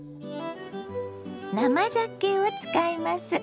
生ざけを使います。